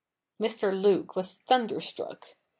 Mr. Luke was thunderstruck.